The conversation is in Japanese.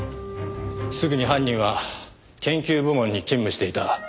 すぐに犯人は研究部門に勤務していた野田啓介